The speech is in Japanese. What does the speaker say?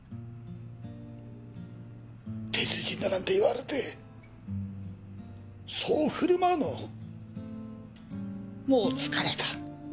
鉄人だなんて言われてそう振る舞うのもう疲れた。